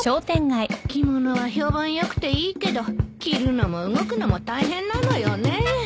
着物は評判良くていいけど着るのも動くのも大変なのよね。